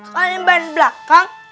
kalian ban belakang